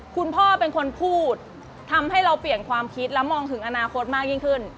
คุณพ่อเป็นคนพูดทำให้เราเปลี่ยนความคิดและมองถึงอนาคตมากยิ่งขึ้น